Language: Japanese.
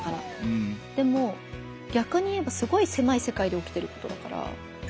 でもぎゃくに言えばすごいせまい世界でおきてることだから。